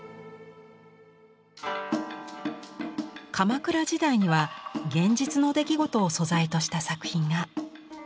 鎌倉時代には現実の出来事を素材とした作品が。